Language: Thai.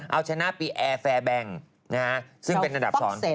เอาชนะปีแอร์แฟร์แบงค์ซึ่งเป็นอันดับ๒